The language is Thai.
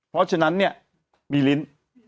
เพราะฉะนั้นเนี่ยมีลิ้น